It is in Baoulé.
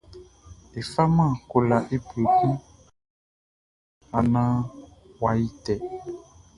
E faman kolaʼn i bue kun sa naan yʼa yi tɛ.